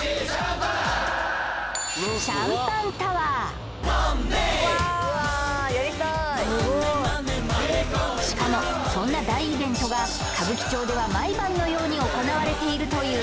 それに伴いしかもそんな大イベントが歌舞伎町では毎晩のように行われているという